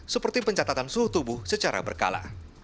seperti pencatatan suhu tubuh secara berkala